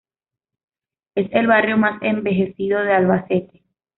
Es el barrio más envejecido de Albacete.